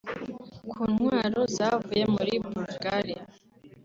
Ku ntwaro zavuye muri Bulgaria